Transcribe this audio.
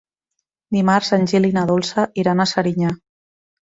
Dimarts en Gil i na Dolça iran a Serinyà.